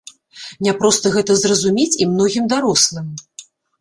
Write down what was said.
Няпроста гэта зразумець і многім дарослым.